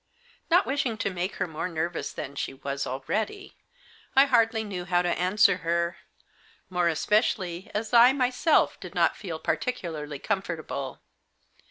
Not wishing to make her more nervous than she was already, I hardly knew how to answer her ; more especially as I myself did not feel particularly comfort able.